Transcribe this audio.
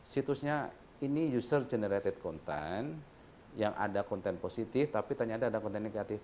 situsnya ini user generated content yang ada konten positif tapi ternyata ada konten negatif